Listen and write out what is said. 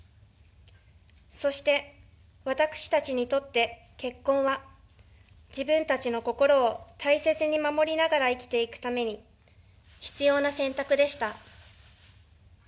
そして、私たちにとって結婚は自分たちの心を大切に守りながら生きていくために必要な選択でした。